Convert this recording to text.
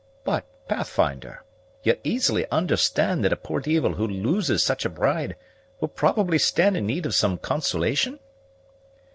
But, Pathfinder, ye'll easily understan' that a poor deevil who loses such a bride will probably stand in need of some consolation?"